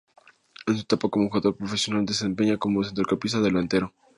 En su etapa como jugador profesional se desempeñaba como centrocampista o delantero.